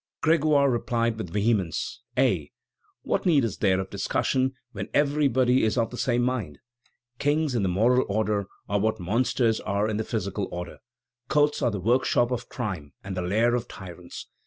Grégoire replied with vehemence: "Eh! what need is there of discussion when everybody is of the same mind? Kings, in the moral order, are what monsters are in the physical order. Courts are the workshop of crime and the lair of tyrants.